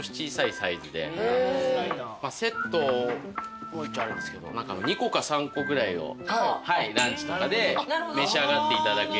セットも一応あるんですけど２個か３個ぐらいをランチとかで召し上がっていただくような。